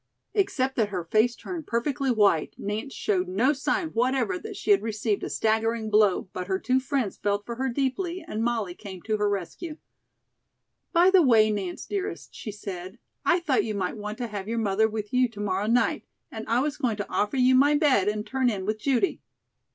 Except that her face turned perfectly white, Nance showed no sign whatever that she had received a staggering blow, but her two friends felt for her deeply and Molly came to her rescue. "By the way, Nance, dearest," she said, "I thought you might want to have your mother with you to morrow night, and I was going to offer you my bed and turn in with Judy."